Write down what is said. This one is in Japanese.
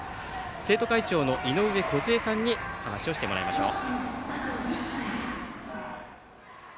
生徒会長の井上梢さんに話をしてもらいましょう。